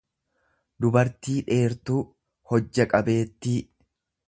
dubartii dheertuu, hojja qabeettii.